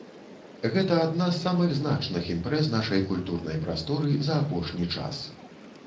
Гэта адна з самых значных імпрэз нашай культурнай прасторы за апошні час.